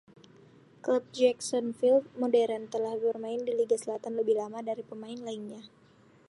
Klub Jacksonville modern telah bermain di Liga Selatan lebih lama dari pemain lainnya.